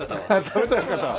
食べたい方は。